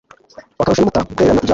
bakarusha n’amata kwererana ibyabo